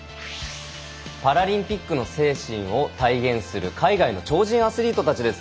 パラリンピックの精神を体現する海外の超人アスリートたちです。